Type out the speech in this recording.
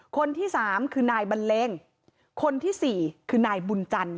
คนที่๓คือนายบันเลงคนที่๔คือนายบุญจันทร์